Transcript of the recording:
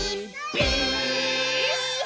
ピース！」